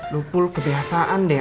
lu pul kebiasaan deh